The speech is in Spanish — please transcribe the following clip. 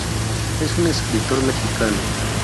Es un escritor mexicano.